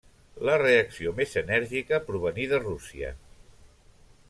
La reacció més enèrgica provenir de Rússia.